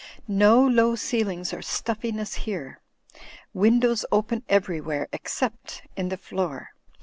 No low ceilings or stuffiness here. Windows open everywhere, except in the floor.